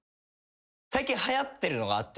最近はやってるのがあって。